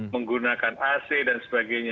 menggunakan ac dan sebagainya